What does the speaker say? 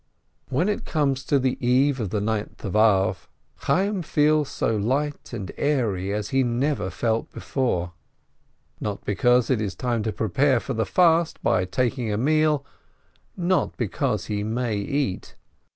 When it comes to the eve of the Ninth of Ab, Chay yim feels so light and airy as he never felt before, not because it is time to prepare for the fast by taking a meal, not because he may eat.